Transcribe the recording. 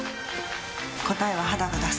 答えは肌が出す。